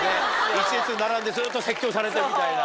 １列に並んでずっと説教されてみたいな。